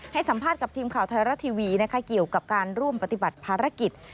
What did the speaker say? ให้สัมภาษณ์กับทีมข่าวไทยรัฐทีวีนะคะเกี่ยวกับการร่วมปฏิบัติภารกิจ